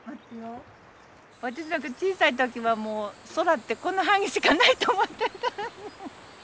私なんか小さい時はもう空ってこの範囲しかないと思ってた。